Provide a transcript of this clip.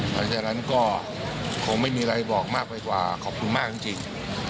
หลังจากนั้นก็คงไม่มีอะไรบอกมากไปกว่าขอบคุณมากจริง